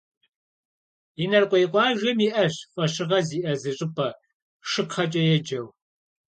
Инарыкъуей къуажэм иӏэщ фӏэщыгъэ зиӏэ зы щӏыпӏэ, «Шыкхъэкӏэ» еджэу.